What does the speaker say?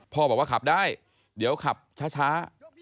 พ่อบอกว่าขับได้เดี๋ยวขับช้า